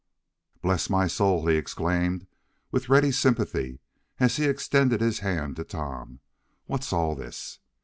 "Bless my soul!" he exclaimed with ready sympathy, as he extended his hand to Tom. "What's all this?"